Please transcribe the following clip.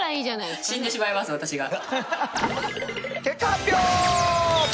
結果発表！